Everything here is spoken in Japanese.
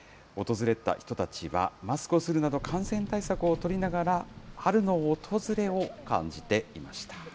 訪れた人たちは、マスクをするなど感染対策を取りながら春の訪れを感じていました。